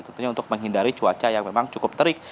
tentunya untuk menghindari cuaca yang memang cukup terik